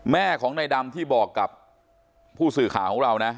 แม่ของนายดำที่บอกกับผู้สื่อข่าวของเรานะ